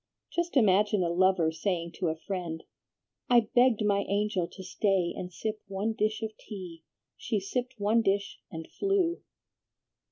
Just imagine a lover saying to a friend, 'I begged my angel to stay and sip one dish of tea. She sipped one dish and flew.'"